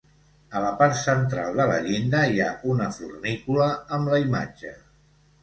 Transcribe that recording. A la part central de la llinda hi ha una fornícula amb la imatge.